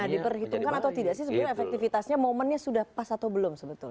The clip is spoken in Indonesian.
nah diperhitungkan atau tidak sih sebenarnya efektivitasnya momennya sudah pas atau belum sebetulnya